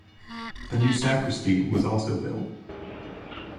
A new sacristy was also built.